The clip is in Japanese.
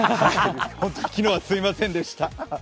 本当に昨日はすみませんでした。